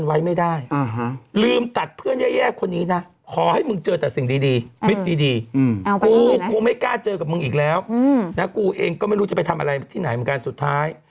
ไหนมะระคุณป้าเอามาให้อยู่ไหนเอามาดูสิ